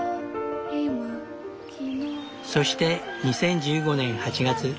そして２０１５年８月。